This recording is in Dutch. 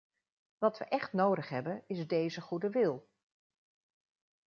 Wat we echt nodig hebben, is deze goede wil.